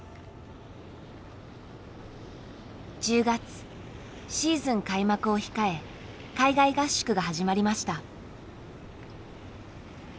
１０月シーズン開幕を控え海外合宿が始まりました。